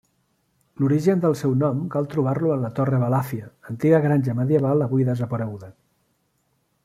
L'origen del seu nom cal trobar-lo en la Torre Balàfia, antiga granja medieval avui desapareguda.